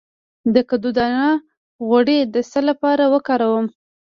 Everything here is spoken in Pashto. د کدو دانه غوړي د څه لپاره وکاروم؟